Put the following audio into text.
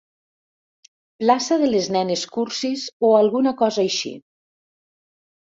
Plaça de les nenes cursis o alguna cosa així.